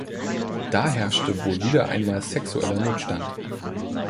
Da herrschte wohl wieder einmal sexueller Notstand.